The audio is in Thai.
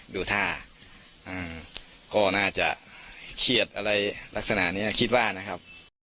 ดูท่าก็น่าจะเครียดอะไรลักษณะนี้คิดว่านะครับ